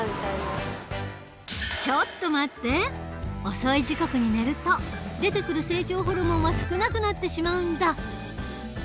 遅い時刻に寝ると出てくる成長ホルモンは少なくなってしまうんだ。